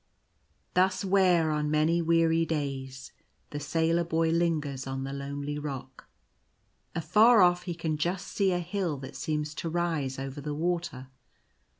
Thus wear on many weary days ; and the sailor boy lingers on the lonely rock. Afar off he can just see a hill that seems to rise over the water.